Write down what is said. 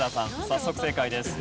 早速正解です。